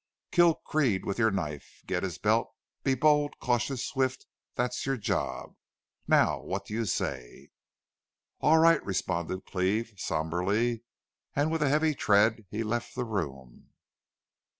Kill Creede with your knife.... Get his belt.... Be bold, cautious, swift! That's your job. Now what do you say?" "All right," responded Cleve, somberly, and with a heavy tread he left the room.